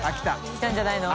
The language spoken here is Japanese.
来たんじゃないの？